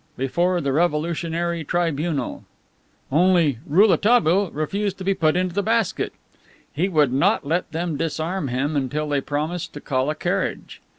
BEFORE THE REVOLUTIONARY TRIBUNAL Only, Rouletabille refused to be put into the basket. He would not let them disarm him until they promised to call a carriage.